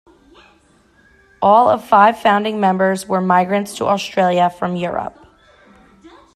All of five founding members were migrants to Australia from Europe.